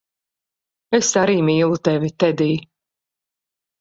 Es arī mīlu tevi, Tedij.